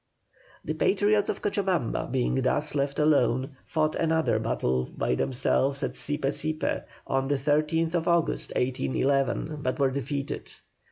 The Patriots of Cochabamba being thus left alone, fought another battle by themselves at Sipe Sipe on the 13th August, 1811, but were defeated.